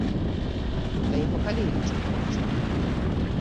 Да і пакалеем чакаючы.